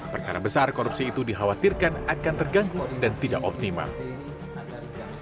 perkara besar korupsi itu dikhawatirkan akan terganggu dan tidak optimal